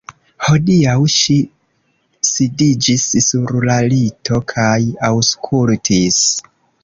Hodiaŭ ŝi sidiĝis sur la lito kaj aŭskultis.